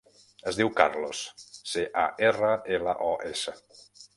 Es diu Carlos: ce, a, erra, ela, o, essa.